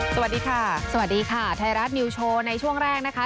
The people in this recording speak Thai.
สวัสดีค่ะสวัสดีค่ะไทยรัฐนิวโชว์ในช่วงแรกนะคะ